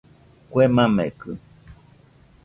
Kue makekɨ